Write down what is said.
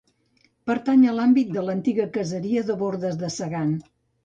Pertany a l'àmbit de l'antiga caseria de bordes de Segan.